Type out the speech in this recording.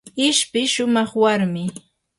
ishpi shumaq warmim.